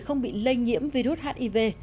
không bị lây nhiễm virus hiv